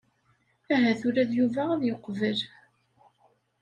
Ahat ula d Yuba ad yeqbel.